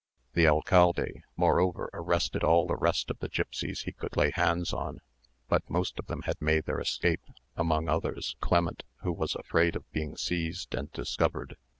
The alcalde, moreover, arrested all the rest of the gipsies he could lay hands on, but most of them had made their escape, among others Clement, who was afraid of being seized and discovered.